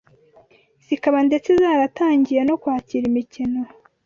zikaba ndetse zaratangiye no kwakira imikino